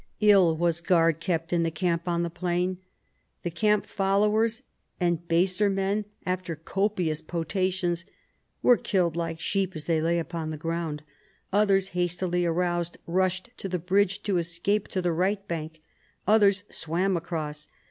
Ill was guard kept in the camp on the plain. The camp followers and baser men, after copious potations, were killed like sheep as they lay upon the ground; others, hastily aroused, rushed to the bridge to escape to the right bank ; others swam across.